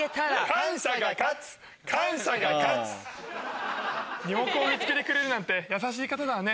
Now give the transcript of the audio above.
感謝が勝つ感謝が勝つリモコンを見つけてくれるなんて優しい方だね。